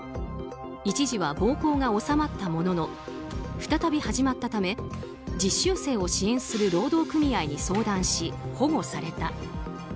一時は、暴行が収まったものの再び始まったため実習生を支援する労働組合に相談し保護された。